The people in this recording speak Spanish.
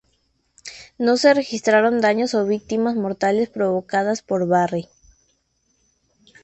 No se registraron daños o víctimas mortales provocadas por Barry.